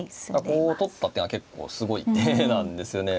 こう取った手は結構すごい手なんですね。